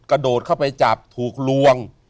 กระโดดเข้าไปจับถูกลวง